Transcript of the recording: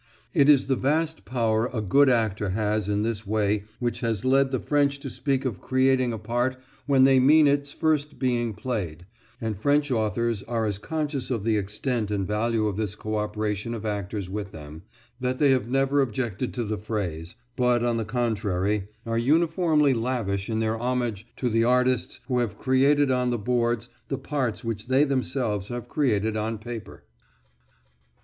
It is the vast power a good actor has in this way which has led the French to speak of creating a part when they mean its first being played, and French authors are as conscious of the extent and value of this cooperation of actors with them, that they have never objected to the phrase, but, on the contrary, are uniformly lavish in their homage to the artists who have created on the boards the parts which they themselves have created on paper.